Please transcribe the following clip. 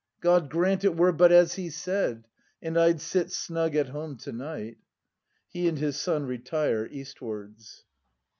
God grant it were but as he said, And I'd sit snug at home to night. [He and his Son retire eastwards.